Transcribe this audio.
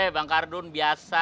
bang kardun biasa